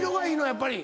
やっぱり。